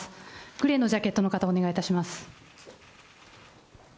グレーのジャケットの方、お願い